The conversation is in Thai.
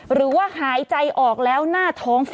หรือว่าหายใจออกแล้วหน้าท้องฟ้า